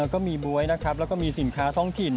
แล้วก็มีบ๊วยนะครับแล้วก็มีสินค้าท้องถิ่น